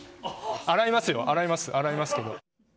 洗いますよ、洗います、洗いますけど。